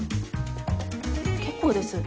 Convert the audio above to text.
結構です。